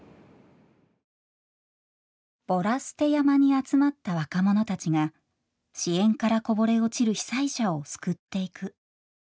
ボラ捨て山に集まった若者たちが支援からこぼれ落ちる被災者を救っていく。